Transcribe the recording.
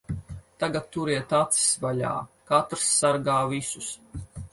Tagad turiet acis vaļā. Katrs sargā visus.